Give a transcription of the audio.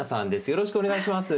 よろしくお願いします。